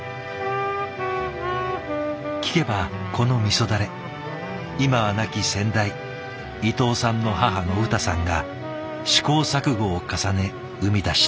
聞けばこの味だれ今は亡き先代伊藤さんの母のウタさんが試行錯誤を重ね生み出した味。